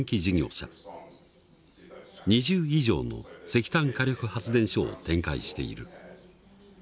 ２０以上の石炭火力発電所を展開している。